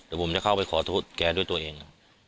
เดี๋ยวผมจะเข้าไปขอโทษแกด้วยตัวเอง